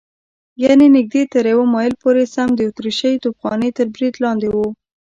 یعنې نږدې تر یوه مایل پورې سم د اتریشۍ توپخانې تر برید لاندې و.